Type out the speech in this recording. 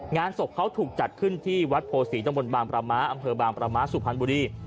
งานศพเขาถูกจัดขึ้นที่วัดโพศีตำบลบางประม้าอำเภอบางประม้าสุพรรณบุรี